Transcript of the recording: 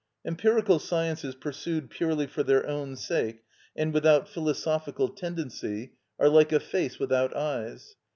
Empirical sciences pursued purely for their own sake and without philosophical tendency are like a face without eyes.